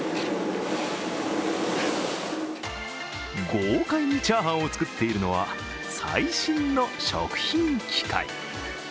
豪快にチャーハンを作っているのは最新の食品機械。